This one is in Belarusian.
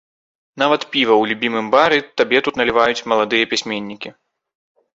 Нават піва ў любімым бары табе тут наліваюць маладыя пісьменнікі.